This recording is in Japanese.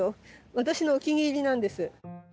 私のお気に入りなんです。